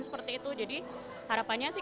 seperti itu jadi harapannya sih